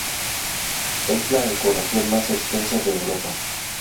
Es la ecorregión más extensa de Europa.